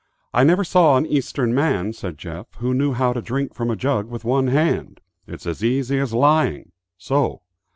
"I never saw an Eastern man," said Jeff, "who knew how to drink from a jug with one hand. It's as easy as lying. So."